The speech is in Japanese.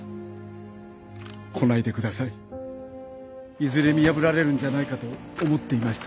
いずれ見破られるんじゃないかと思っていました。